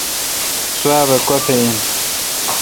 سواب کوتھ این۔